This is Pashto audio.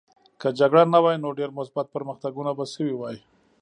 که جګړه نه وای نو ډېر مثبت پرمختګونه به شوي وای